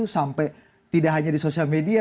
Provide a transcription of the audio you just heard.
sampai tidak hanya di sosial media